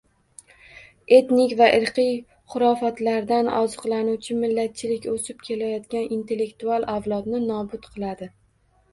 Etnik va irqiy xurofotlardan oziqlanuvchi millatchilik o‘sib kelayotgan intellektual avlodni nobud qiladi